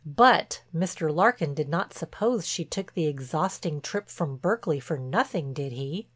But, Mr. Larkin did not suppose she took the exhausting trip from Berkeley for nothing, did he?